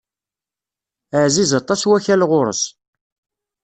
Ɛziz aṭas wakal ɣur-s.